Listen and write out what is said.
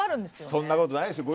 そんなことはないですよ。